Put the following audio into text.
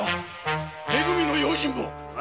「め組」の用心棒！